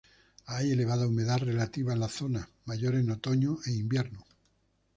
Hay elevada humedad relativa en la zona, mayor en otoño e invierno.